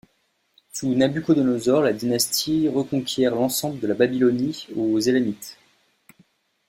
Sous Nabuchodonosor, la dynastie reconquiert l'ensemble de la Babylonie aux Elamites.